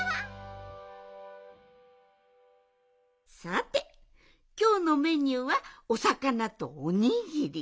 さてきょうのメニューはおさかなとおにぎり。